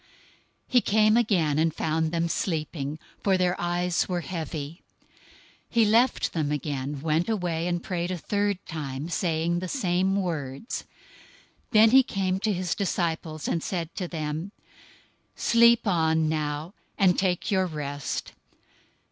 026:043 He came again and found them sleeping, for their eyes were heavy. 026:044 He left them again, went away, and prayed a third time, saying the same words. 026:045 Then he came to his disciples, and said to them, "Sleep on now, and take your rest.